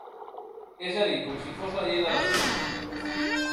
És a dir, com si fos la llei de la selva.